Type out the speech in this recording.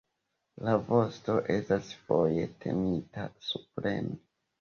La vosto estas foje tenita supren.